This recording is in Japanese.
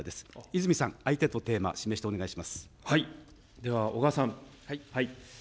泉さん、相手とテーマ、指名してでは小川さん。